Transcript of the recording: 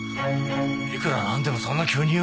いくらなんでもそんな急によ